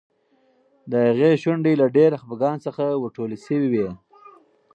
د هغې شونډې له ډېر خپګان څخه ورټولې شوې وې.